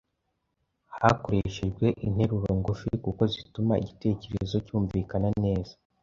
hakoreshejwe interuro ngufi kuko zituma igitekerezo cyumvikana neza